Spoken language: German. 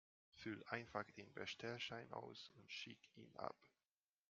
Füll einfach den Bestellschein aus und schick ihn ab.